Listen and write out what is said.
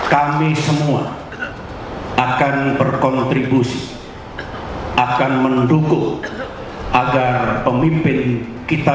kami semua akan berkontribusi akan mendukung agar pemimpin kita